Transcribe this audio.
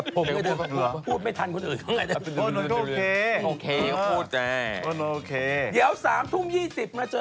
โพธอานนท์พูดโอเค